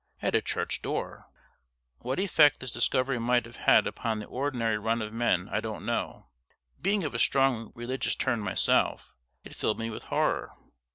At a church door! What effect this discovery might have had upon the ordinary run of men I don't know. Being of a strong religious turn myself, it filled me with horror.